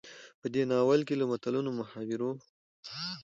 په دې ناول کې له متلونو، محاورو،